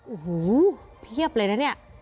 โอ้โหเพียบเลยนะเนี่ย